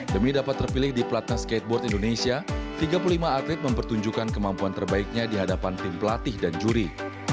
demi dapat terpilih di platnas skateboard indonesia tiga puluh lima atlet mempertunjukkan kemampuan terbaiknya di hadapan tim pelatih dan juri